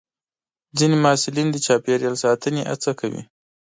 ځینې محصلین د چاپېریال ساتنې هڅه کوي.